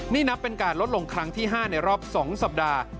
นี่นับเป็นการลดลงครั้งที่๕ในรอบ๒สัปดาห์